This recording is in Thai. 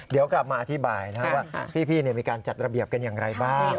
เดี๋ยวกลับมาอธิบายนะว่าพี่มีการจัดระเบียบกันอย่างไรบ้าง